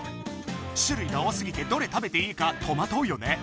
種類が多すぎてどれ食べていいかトマトうよね。